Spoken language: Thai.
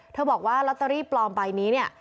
บอกว่าลอตเตอรี่ปลอมใบนี้เนี่ย